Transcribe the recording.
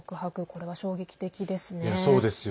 これは衝撃的ですね。